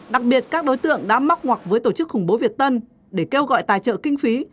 đặc biệt các đối tượng đã móc ngoặc với tổ chức khủng bố việt tân để kêu gọi tài trợ kinh phí